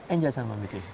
enjoy selama meeting